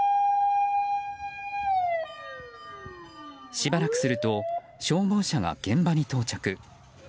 しばらくすると消防車が現場に到着。